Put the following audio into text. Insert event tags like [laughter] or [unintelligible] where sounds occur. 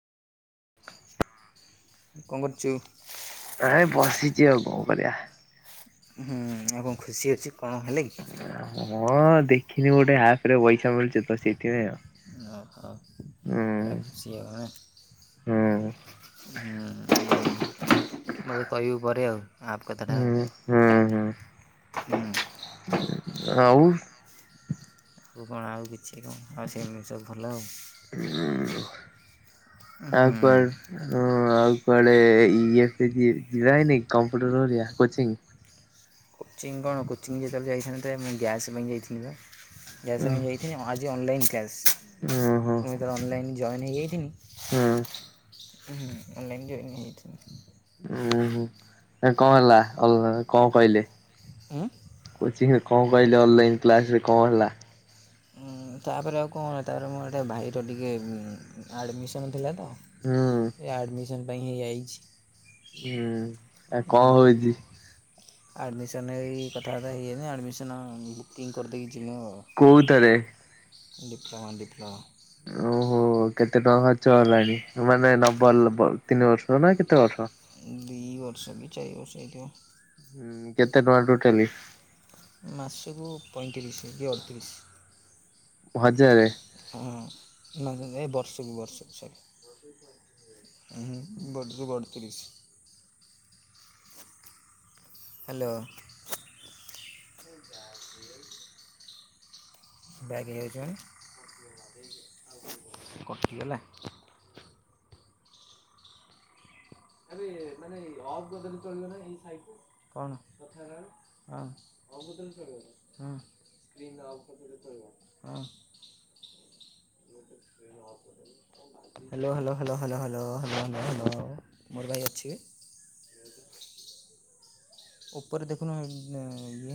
କଣ କରୁଛୁ? ଆଏ ବସିଛି ଆଉ କଣ କରିବା ହୁଁ ଏବଂ ଖୁସି ଅଛୁ [unintelligible] ହଁ ଦେଖିନି ଗୋଟେ ଏପ୍ ଆରେ ଓଇଝା ମିଳୁଛି ତ ସେଥିପାଇଁ ଆଉ ଓ ହୋ। ହୁଁ ହୁଁ [unintelligible] ମତେ କହିବୁ ପରେ ଆଉ। ଆପ୍ କଥାଟା ହୁଁ ହୁଁ ହୁଁ ଆଉ ହୁଁ। ଆଉ ଆଉ କଣ ଆଉ କି ଛି କଣ ଆଉ ସେମିତି ସବୁ ଭଲ ଆଉ। ଆଉ ହୁଁ କୁଆଡେ ହଁ ଆଉ କୁଆଡେ ଇଏ ହେଇକି ଯାଏନି କମ୍ପ୍ୟୁଟର ହରିକା କୋଚିଙ୍ଗ୍। କୋଚିଙ୍ଗ୍ କଣ କୋଚିଙ୍ଗ୍ ଯେତେବେଳେ ଯାଇଥାନ୍ତେ ଆମେ ଗ୍ୟାସ୍ ପାଇଁ ଯାଇଥିଲୁବା। ଗ୍ୟାସ୍ ଉଁ ପାଇଁ ଯାଇଥିଲି ହଁ ଆଜି ଅନଲାଇନ୍ କ୍ଲାସ୍ ଉହୁଁ ମୁଁ ଯେତେବେଳେ ଅନଲାଇନ୍ ଜଏନ୍ ହୁଁ ହେଇଯାଇଥିଲି ହୁଁ ଅନଲାଇନ୍ ଜଏନ୍ ହେଇଯାଇଥିଲି। ଉଁ ହୁଁ କଣ ହେଲା ଅଲ୍ କଣ କହିଲେ? ଉଁ କୋଚିଂରେ କଣ କହିଲେ, ଅନଲାଇନ୍ କ୍ଲାସ୍ ରେ କଣ ହେଲା? ହୁଁ ତାପରେ ଆଉ କଣ ତାପରେ ମୁଁ ଏଠେ ଭାଇର ଟିକେ ଉମ୍ ଆଡ଼ମିସନ୍ ଥିଲା ତ। ହୁଁ ଏ ଆଡମିସନ୍ ପାଇଁ ହେଇଯାଇଛି। କିଉଁ ଆ କଅ ହୋଉଛି? ଆଡମିସନ ଏଇ କଥାବାର୍ତ୍ତା ହେଇଯାଇଛନ୍ତି ଆଡମିସନ ବୁକିଂ କରିଦେଇ କୋଉ ଥିରେ ଡିପ୍ଲୋମା ଡିପ୍ଲୋମା ଓ ହୋ କେତେ ଟଙ୍କା ଚ ହେଲାଣି ମାନେ ନବ ଲବ ତିନି ବର୍ଷ ନା କେତେ ବର୍ଷ? ଦି ବର୍ଷ କି ଚାର ବର୍ଷ ହେଇଥିବ। ହୁଁ କେତେ ଟଙ୍କା ଟୋଟାଲି? ମାସକୁ ପଇଁ ତିରିଶ କି ଅତିରିଶି। ଭଜାରେ ହଁ [unintelligible] ବର୍ଷକୁ ବର୍ଷକୁ ସରି ହୁଁ ବର୍ଷକୁ ଅଡତିରିଶି। ହାଲୋ। ବ୍ୟାକ୍ ହେଇଯାଇଯାଇଚି ମାନେ କଟିଗଲା। Hello hello hello hello hello hello hello hello. ମୋର ବା ଏଇ ଅଛି। ଉପରେ ଦେଖୁନ ଉମ୍ ଇଏ।